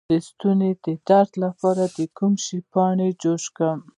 د ستوني د درد لپاره د کوم شي پاڼې جوش کړم؟